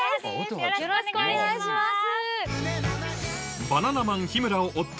よろしくお願いします。